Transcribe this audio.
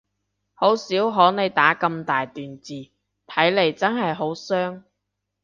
好少可你打咁大段字，睇嚟真係好傷